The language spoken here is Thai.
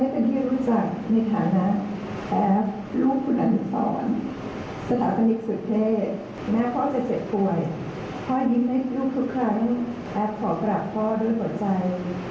พ่อจะอยู่ในใจของโลกตลอดไป